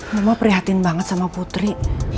mama prihatin banget sama putri